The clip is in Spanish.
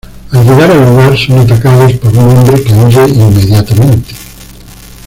Al llegar al lugar son atacados por un hombre, que huye inmediatamente.